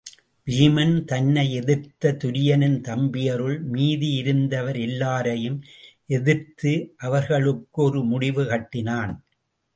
வீமன் தன்னை எதிர்த்த துரியனின் தம்பியருள் மீதி இருந்தவர் எல்லாரையும் எதிர்த்து அவர் களுக்கு ஒரு முடிவு கட்டினான்.